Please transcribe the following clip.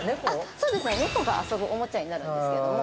◆そうですね、猫が遊ぶおもちゃになるんですけれども。